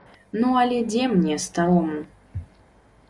Ну але дзе мне, старому?